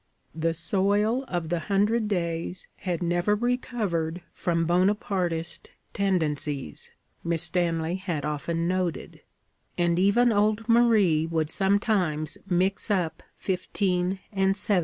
The soil of the Hundred Days had never recovered from Bonapartist tendencies, Miss Stanley had often noted; and even old Marie would sometimes mix up '15 and '70.